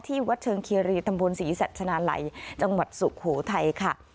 ที่วัดเชิงเคียรีตำบลศรีสัตว์ชนะไลจังหวัดสุขโหทัยค่ะ